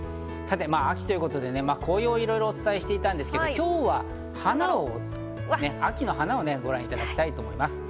秋ということで紅葉をいろいろお伝えしていたんですけど、今日は秋の花をご覧いただきたいと思います。